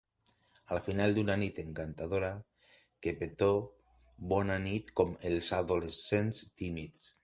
Al final d'una nit encantadora, que petó bona nit com els adolescents tímids.